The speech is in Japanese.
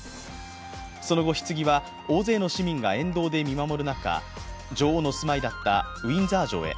その後、ひつぎは大勢の市民が沿道で見守る中女王の住まいだったウィンザー城へ。